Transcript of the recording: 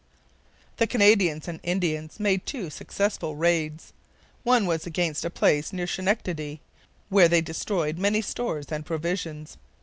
The Canadians and Indians made two successful raids. One was against a place near Schenectady, where they destroyed many stores and provisions.